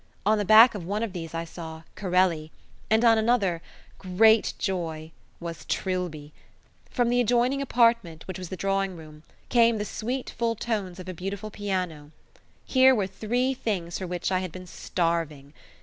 On the back of one of these I saw "Corelli", and on another great joy! was Trilby. From the adjoining apartment, which was the drawing room, came the sweet full tones of a beautiful piano. Here were three things for which I had been starving.